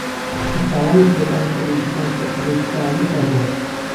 لە ساڵانی سیەکانی سەدەی بیستەم سەرکردەی سوپای ئەمریکا بووە